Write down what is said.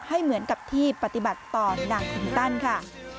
ให้เหมือนกับที่ปฏิบัติต่อนางคินตันค่ะ